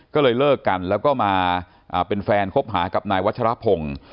ก็เลยเลิกกันแล้วก็มาเป็นแฟนคบหากับนายวัชรพงศ์